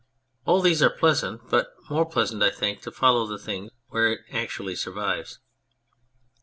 All these are pleasant, but more pleasant I think to follow the thing where it actually survives.